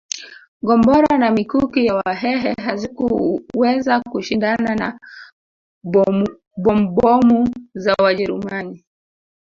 Gombora na mikuki ya Wahehe hazikuweza kushindana na bombomu za Wajerumani